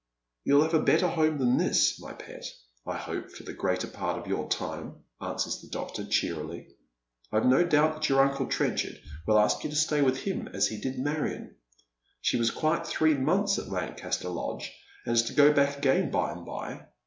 " You will have a better home than this, my pet, I hope, for the gi'eater part of your time," answers the doctor cheerily. *'rve no doubt your uncle Trenchard will ask you to stay with liim as he did Marion. She was quite three months at Lancaster Lodge, and is to go back again by and by.